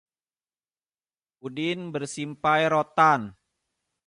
Udin bersimpai rotan